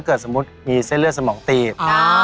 สมมุติมีเส้นเลือดสมองตีบ